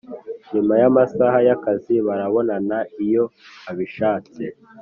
nyuma y amasaha y akazi barabonana iyo abishatse